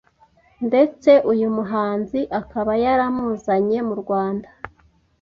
ndetse uyu muhanzi akaba yaramuzanye mu Rwanda